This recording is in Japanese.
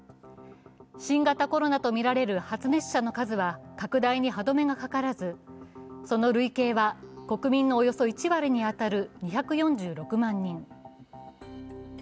新型コロナとみられる発熱者の数は拡大に歯止めがかからずその累計は国民のおよそ１割に当たる２４６万人。